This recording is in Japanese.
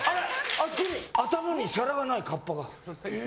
あそこに頭に皿がないカッパが。